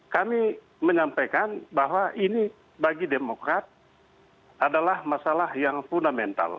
kami menyampaikan bahwa ini bagi demokrat adalah masalah yang fundamental